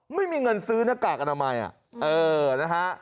ไม่มีเงินซื้อหน้ากากอนามัยนะฮะ